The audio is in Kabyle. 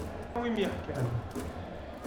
A wi i m-yeḥkan.